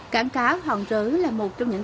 cảng cá hòn rớ là một trong những